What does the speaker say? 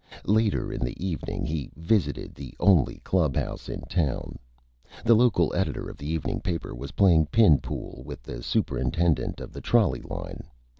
Later in the Evening he visited the only Club House in Town. The Local Editor of the Evening Paper was playing Pin Pool with the Superintendent of the Trolley Line.